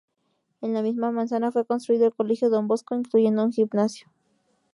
En la misma manzana fue construido el Colegio Don Bosco, incluyendo un gimnasio.